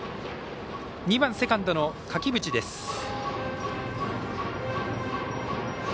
２番、セカンドの垣淵です。